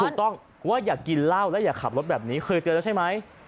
ถูกต้องว่าอย่ากินเหล้าแล้วอย่าขับรถแบบนี้เคยเตือนแล้วใช่ไหม